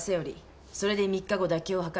それで３日後妥協を図る。